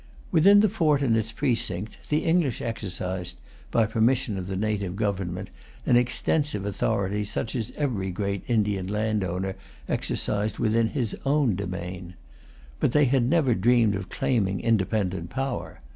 Within the fort and its precinct, the English exercised, by permission of the native government, an extensive authority, such as every great Indian landowner exercised within his own domain. But they had never dreamed of claiming independent power.